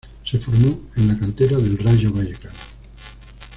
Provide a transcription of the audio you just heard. Se formó en la cantera del Rayo Vallecano.